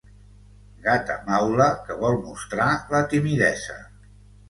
Gata maula que vol mostrar la timidesa.